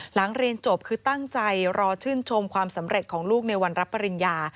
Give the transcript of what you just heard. หลังเรียนจบคือตั้งใจรอชื่นชมความสำเร็จของลูกในวันรับปริญญา